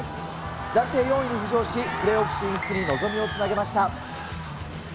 暫定４位に浮上し、プレーオフ進出に望みをつなげました。